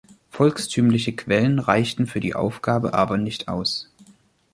Volkstümliche Quellen reichten für die Aufgabe aber nicht aus.